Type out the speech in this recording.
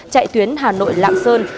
chạy tuyến hà nội lạng sơn